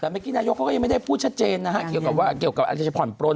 แต่เมื่อกี้นายกก็ไม่ได้พูดชัดเจนนะฮะเกี่ยวกับอาจจะผ่อนปล้น